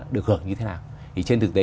được hưởng như thế nào thì trên thực tế